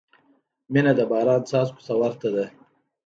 • مینه د باران څاڅکو ته ورته ده.